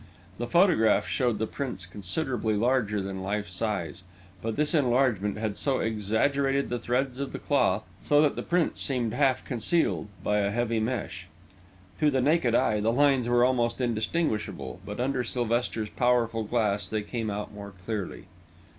The photographs showed the prints considerably larger than life size, but this enlargement had also exaggerated the threads of the cloth, so that the prints seemed half concealed by a heavy mesh. To the naked eye, the lines were almost indistinguishable, but under Sylvester's powerful glass they came out more clearly.